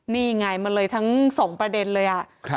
นี่ไงมันเลยทั้งสองประเด็นเลย